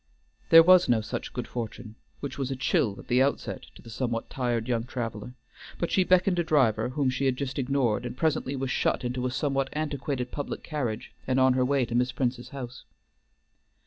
There was no such good fortune, which was a chill at the outset to the somewhat tired young traveler, but she beckoned a driver whom she had just ignored, and presently was shut into a somewhat antiquated public carriage and on her way to Miss Prince's house.